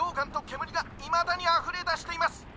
けむりがいまだにあふれだしています。